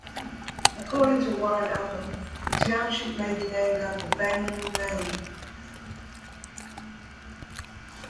According to Warren Upham, the township may be named after Bangor, Maine.